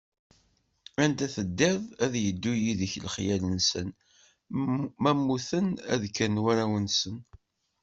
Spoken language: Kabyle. Anda teddiḍ ad yeddu yid-k lexyal-nsen, ma mmuten ad d-kkren warraw-nsen.